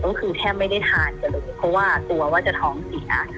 ก็คือแทบไม่ได้ทานกันเลยเพราะว่ากลัวว่าจะท้องเสีย